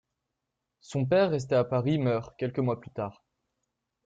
Son père resté à Paris meurt quelques mois plus tard.